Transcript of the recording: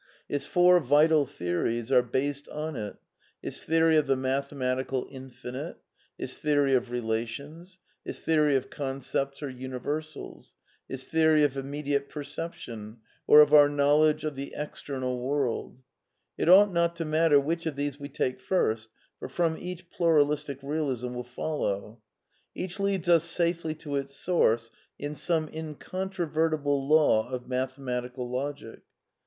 Its four vital t heories are based on it : its t heory of the ||riyt>iATT]flf:ir»Ql ijifiTiifa • i ts thftory of relatiflps ; its theory of concep ts or univer sals ; its t heory ^rf immedi ate per ception, or of our knowledge of the ex temal world. It ought not to matter which of these we take first ; for from each Pluralistic Eealism will follow. Each leads us safely to its source in some incontrovertible law of mathematical logic.